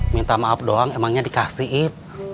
minta maaf doang emangnya dikasih ip